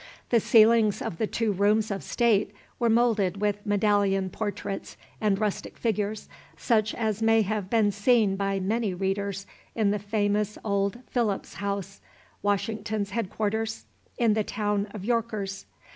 The ceilings of the two rooms of state were moulded with medallion portraits and rustic figures, such as may have been seen by many readers in the famous old Philipse house, Washington's head quarters, in the town of Yorkers.